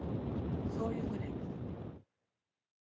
そういう船です。